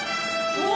うわ！